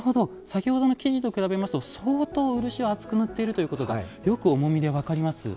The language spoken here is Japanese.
先ほどの木地と比べますと相当漆を厚く塗っているということがよく重みで分かります。